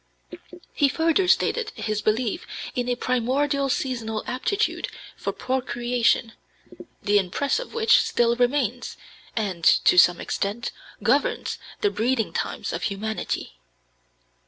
He further stated his belief in a "primordial seasonal aptitude for procreation, the impress of which still remains, and, to some extent, governs the breeding times of humanity."